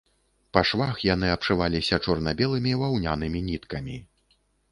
Па швах яны абшываліся чорна-белымі ваўнянымі ніткамі.